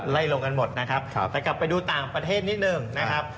ไล่ลงกันหมดนะครับแต่กลับไปดูต่างประเทศนิดหนึ่งนะครับ